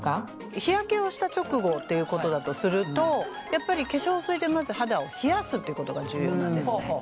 日焼けをした直後ということだとするとやっぱり化粧水でまず肌を冷やすっていうことが重要なんですね。